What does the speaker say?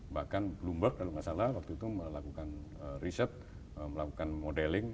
bahkan bloomberg kalau nggak salah waktu itu melakukan riset melakukan modeling